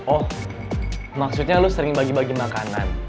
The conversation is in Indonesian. oh maksudnya lu sering bagi bagi makanan